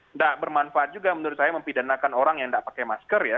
nggak bermanfaat juga menurut saya mempidanakan orang yang tidak pakai masker ya